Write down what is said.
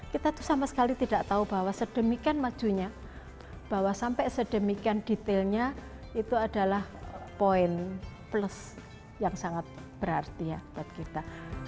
kita tuh sama sekali tidak tahu bahwa sedemikian majunya bahwa sampai sedemikian detailnya itu adalah poin plus yang sangat berarti ya buat kita